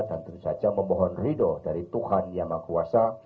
dan tentu saja memohon ridho dari tuhan yang maha kuasa